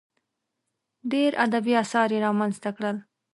ډېر ادبي اثار یې رامنځته کړل.